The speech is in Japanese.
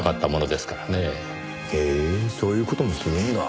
へえそういう事もするんだ。